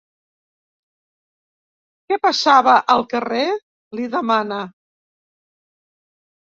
Què passava, al carrer? —li demana.